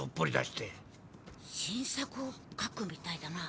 新作を描くみたいだな。